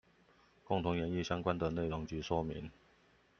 共同研議相關的內容及說明